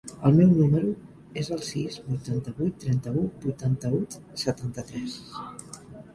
El meu número es el sis, vuitanta-vuit, trenta-u, vuitanta-u, setanta-tres.